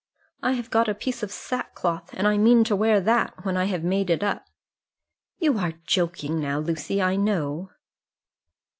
I have got a piece of sack cloth, and I mean to wear that, when I have made it up." "You are joking now, Lucy, I know."